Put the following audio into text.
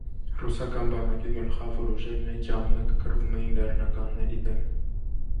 Ռուսական բանակի գլխավոր ուժերն այդ ժամանակ կռվում էին լեռնականների դեմ։